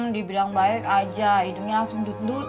dibilang baik aja hidungnya langsung dut dut